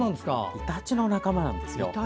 イタチの仲間なんですよ。